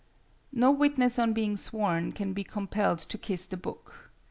No witness on being sworn can be compelled to 'kiss the book.'